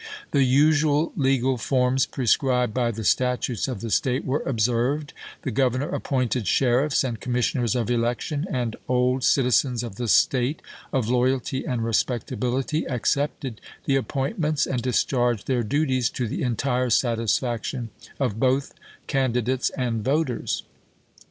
The usual legal forms prescribed by the statutes of the State were observed ; the Governor appointed sheriffs and commissioners of election ; and old citizens of the State, of loyalty and respectability, accepted the appointments and discharged their duties to the entire satisfaction of both candidates and voters.